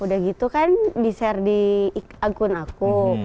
udah gitu kan di share di akun aku